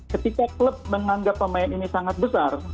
ketika klub menganggap pemain ini sangat besar